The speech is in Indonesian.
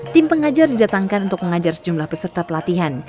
tim pengajar didatangkan untuk mengajar sejumlah peserta pelatihan